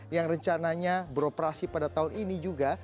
yang rencananya beroperasi pada tahun ini juga